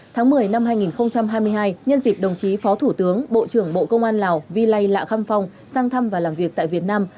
tháng một mươi năm hai nghìn hai mươi hai nhân dịp đồng chí phó thủ tướng bộ trưởng bộ công an lào vi lây lạ khăm phong sang thăm và làm việc tại việt nam